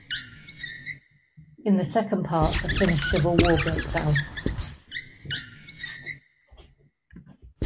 In the second part the Finnish Civil War breaks out.